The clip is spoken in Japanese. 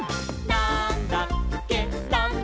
なんだっけ？！」